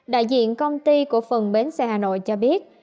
đại diện công ty của phần bến xe hà nội cho biết